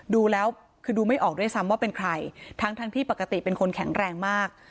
ดูแล้วคือดูไม่ออกด้วยซ้ำว่าเป็นใครทั้งที่ปกติเป็นคนแข็งแรงมาก